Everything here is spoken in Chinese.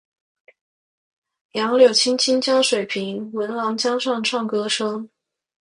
杨柳青青江水平，闻郎江上唱歌声。